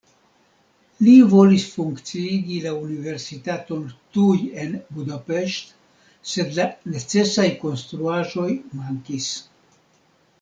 Li volis funkciigi la universitaton tuj en Buda-Pest, sed la necesaj konstruaĵoj mankis.